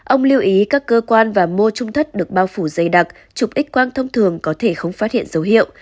ông lưu ý các cơ quan và mô trung thất được bao phủ dày đặc chụp x quang thông thường có thể không phát hiện dấu hiệu